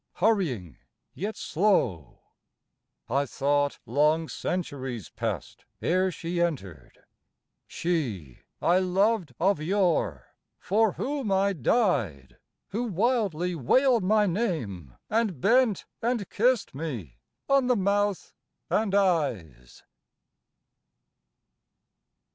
Hurrying, yet slow ... I thought long centuries Passed ere she entered she, I loved of yore, For whom I died, who wildly wailed my name And bent and kissed me on the mouth and eyes.